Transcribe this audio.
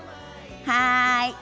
はい。